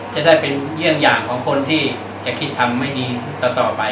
จะได้เป็นเยี่ยงอย่างของคนที่จะคิดทำไม่ดีต่อไป